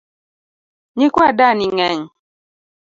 Nyikwa dani ng'eny